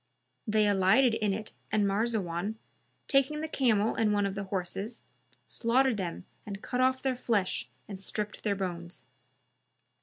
They alighted in it and Marzawan, taking the camel and one of the horses, slaughtered them and cut off their flesh and stripped their bones.